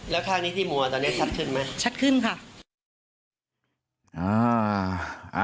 แล้วข้างนี้ที่มัวตอนนี้ชัดขึ้นไหมชัดขึ้นค่ะ